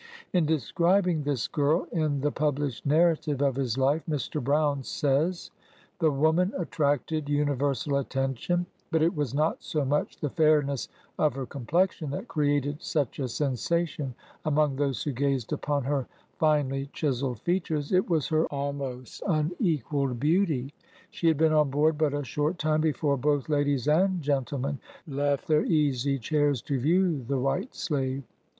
In describing this girl, in the published narrative of his life, Mr. Brown says :—" The woman attracted universal attention; but it was not so much the fairness of her complexion that created such a sensation among those who gazed upon her finely chiselled features ; it was her almost unequalled beauty. She had been on board but a short time, before both ladKes and gentlemen left their easy chairs to view the white slave.